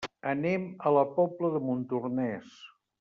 Anem a la Pobla de Montornès.